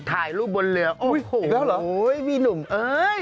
ถ่ายรูปบนเรือโอ้โหพี่หนุ่มเอ๊ย